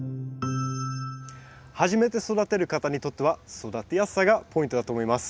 初めて育てる方にとっては育てやすさがポイントだと思います。